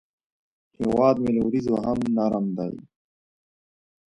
هیواد مې له وریځو نه هم نرم دی